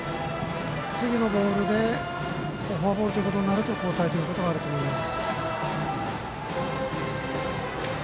次のボールでフォアボールということになると交代ということがあると思います。